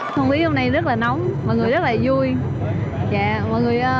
thông khí hôm nay rất là nóng mọi người rất là vui